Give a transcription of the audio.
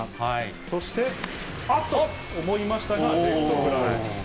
そして、あっと思いましたが、レフトフライ。